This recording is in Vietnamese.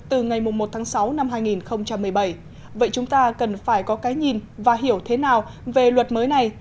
từ ngày một tháng sáu năm hai nghìn một mươi bảy vậy chúng ta cần phải có cái nhìn và hiểu thế nào về luật mới này